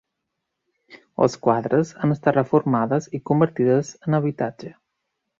Les quadres han estat reformades i convertides en habitatge.